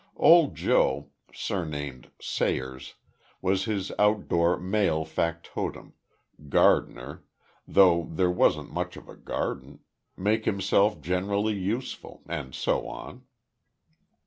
Old Joe, surnamed Sayers, was his outdoor male factotum gardener though there wasn't much of a garden make himself generally useful, and so on.